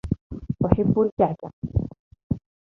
أحب الكعك.